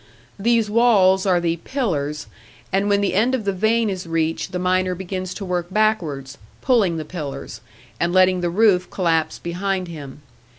These walls are the "pillars"; and when the end of the vein is reached, the miner begins to work backwards, "pulling the pillars," and letting the roof collapse behind him.